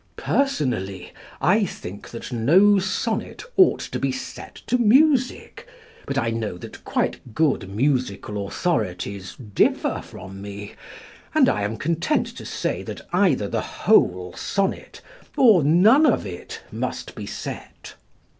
Personally, I think that no sonnet ought to be set to music, but I know that quite good musical authorities differ from me, and I am content to say that either the whole sonnet or none of it must be set.